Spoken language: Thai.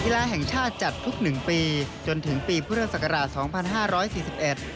กีฬาแห่งชาติจัดทุก๑ปีจนถึงปีพฤศกราชสัมพันธ์๕๔๑